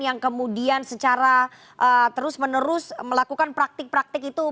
yang kemudian secara terus menerus melakukan praktik praktik itu